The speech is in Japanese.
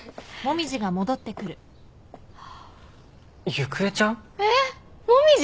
ゆくえちゃん？えっ紅葉？